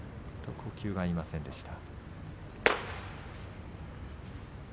呼吸が合いませんでした。